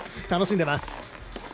楽しんでいます。